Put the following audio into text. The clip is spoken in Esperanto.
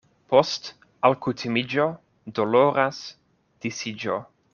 Post alkutimiĝo doloras disiĝo.